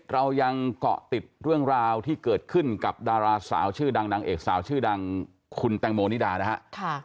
เรายังเกาะติดเรื่องราวที่เกิดขึ้นกับดาราสาวชื่อดังนางเอกสาวชื่อดังคุณแตงโมนิดานะฮะ